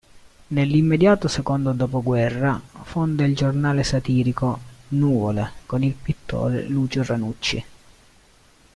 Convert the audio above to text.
Nell’immediato secondo dopoguerra, fonda il giornale satirico “Nuvole” con il pittore Lucio Ranucci.